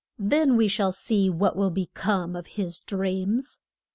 Then we shall see what will be come of his dreams.